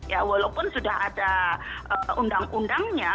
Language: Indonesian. ya walaupun sudah ada undang undangnya